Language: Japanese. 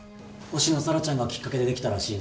星野沙羅ちゃんがきっかけでできたらしいね。